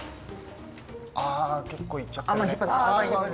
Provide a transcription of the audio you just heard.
ああ結構いっちゃってる。